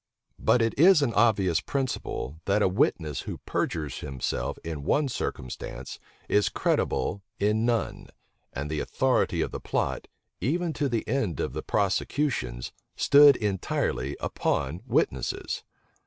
But it is an obvious principle, that a witness who perjures himself in one circumstance is credible in none and the authority of the plot, even to the end of the prosecutions, stood entirely upon witnesses.